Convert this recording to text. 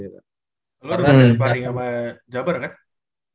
lo udah berdua sepaling sama jabar kan